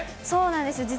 そうなんです。